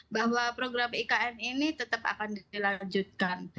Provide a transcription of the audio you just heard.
bahwa program ikn ini tetap akan dilanjutkan